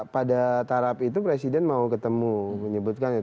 pada tarap itu presiden mau ketemu menyebutkan itu